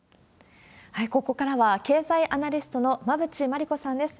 ここからは、経済アナリストの馬渕磨理子さんです。